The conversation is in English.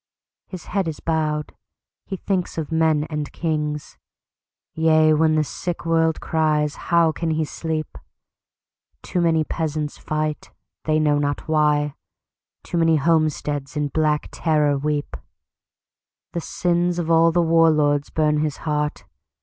His head is bowed. He thinks of men and kings. Yea, when the sick world cries, how can he sleep? Too many peasants fight, they know not why; Too many homesteads in black terror weep. The sins of all the war lords burn his heart.